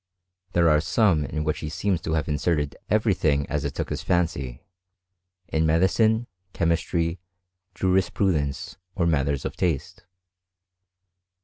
There are some in which he seems to have inserted every thing as it took his fancy, in medicine, chemistry, juris prudence, or matters of taste.